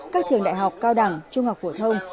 các trường đại học cao đẳng trung học phổ thông